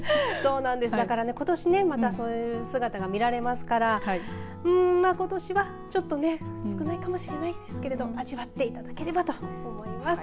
ことし、また、そういう姿が見られますからことしはちょっと少ないかもしれないですけど味わっていただければと思います。